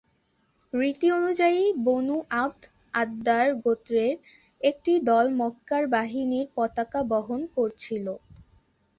রীতি অনুযায়ী Banu Abd ad-Dar গোত্রের একটি দল মক্কার বাহিনীর পতাকা বহন করছিল।